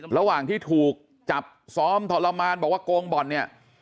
ระหว่างที่ถูกจับซ้อมทรมานบอกว่าโกงบ่อนเนี่ย